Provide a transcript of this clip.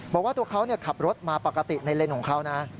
บอกว่าตัวเขาขับรถมาปกติในเลนส์ของเขานะ